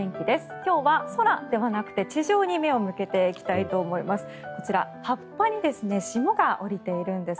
今日は空ではなくて地上に目を向けていきたいと思います。